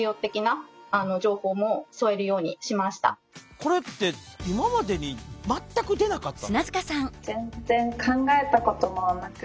これって今までに全く出なかったの？